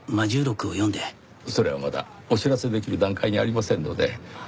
それはまだお知らせできる段階にありませんので。